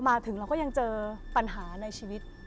มาถึงเราก็ยังเจอปัญหาในชีวิต